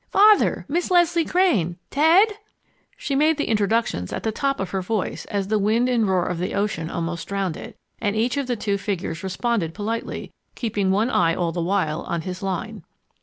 Father Miss Leslie Crane! Ted " She made the introductions at the top of her voice as the wind and roar of the ocean almost drowned it, and each of the two figures responded politely, keeping one eye all the while on his line.